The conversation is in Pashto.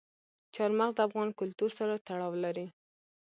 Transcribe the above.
چار مغز د افغان کلتور سره تړاو لري.